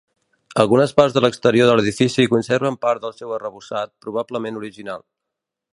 Algunes parts de l'exterior de l'edifici conserven part del seu arrebossat, probablement original.